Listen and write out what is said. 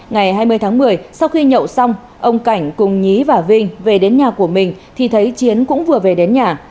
ngày hai mươi tháng một mươi sau khi nhậu xong ông cảnh cùng nhí và vinh về đến nhà của mình thì thấy chiến cũng vừa về đến nhà